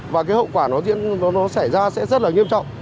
và cái hậu quả nó xảy ra sẽ rất là nghiêm trọng